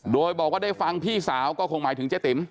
โดยบอกว่าได้ฟังพี่สาวก็คงหมายถึงเจ๊ติ๋ม